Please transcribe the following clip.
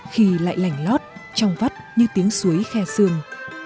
khi lại lành lót trong vắt như tiếng suối khe sương